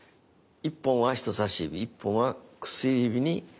１本は人さし指１本は薬指にかけます。